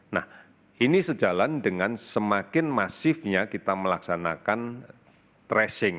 nah ini sejalan dengan semakin masifnya kita melaksanakan tracing